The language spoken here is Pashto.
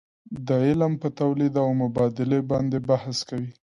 دا علم په تولید او مبادلې باندې بحث کوي.